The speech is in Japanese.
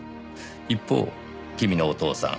一方君のお父さん